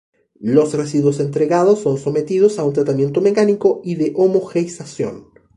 Los residuos entregados son sometidos a un tratamiento mecánico y de homogeneización.